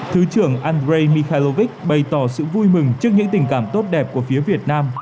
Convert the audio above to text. thứ trưởng andrei mikharovich bày tỏ sự vui mừng trước những tình cảm tốt đẹp của phía việt nam